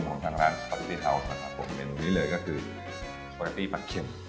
ของทางร้านนะครับเมนูนี้เลยก็คือปลาเก็ตตี้ปลาเข็ม